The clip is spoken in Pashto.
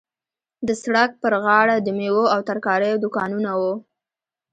د سړک پر غاړه د میوو او ترکاریو دوکانونه وو.